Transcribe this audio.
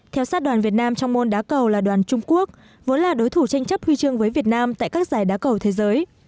theo sát đoàn việt nam trong môn đá cầu là đoàn trung quốc vốn là đối thủ tranh chấp huy chương với việt nam tại các giải đá cầu thế giới